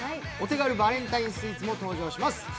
お手軽バレンタインスイーツも紹介します。